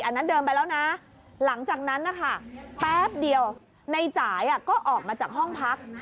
อันนั้นเดินไปแล้วนะหลังจากนั้นนะคะแป๊บเดียวในจ่ายก็ออกมาจากห้องพัก